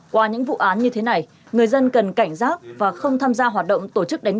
qua những vụ án như thế này người dân cần cảnh giác và không tham gia hoạt động tổ chức đánh